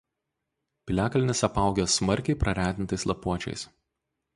Piliakalnis apaugęs smarkiai praretintais lapuočiais.